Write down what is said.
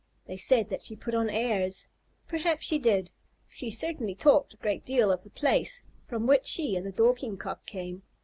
They said that she put on airs. Perhaps she did. She certainly talked a great deal of the place from which she and the Dorking Cock came.